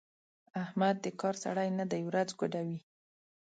احمد د کار سړی نه دی؛ ورځ ګوډوي.